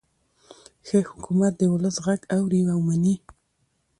ښه حکومت د ولس غږ اوري او مني.